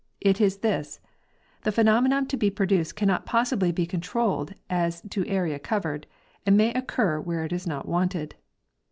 It is this: The phenomenon to be produced cannot probably be controlled as to area covered, and may occur where it is not wanted.